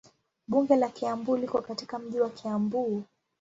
Bunge la Kiambu liko katika mji wa Kiambu.